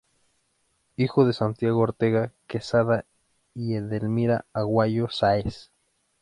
Hijo de Santiago Ortega Quezada y Edelmira Aguayo Sáez.